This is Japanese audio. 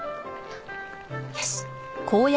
よし。